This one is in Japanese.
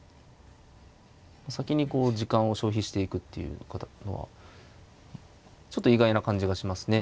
先に時間を消費していくっていうのはちょっと意外な感じがしますね。